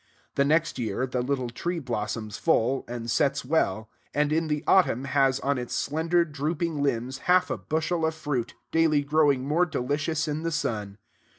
The next year, the little tree blossoms full, and sets well; and in the autumn has on its slender, drooping limbs half a bushel of fruit, daily growing more delicious in the sun.